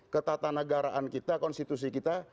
ketatanagaraan kita konstitusi kita